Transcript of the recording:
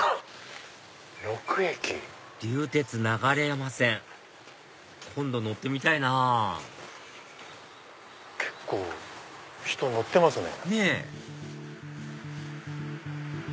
流鉄流山線今度乗ってみたいなぁ結構人乗ってますね。